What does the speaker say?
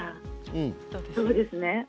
そうですね。